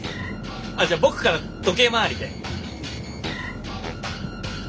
じゃあ僕から時計回りで。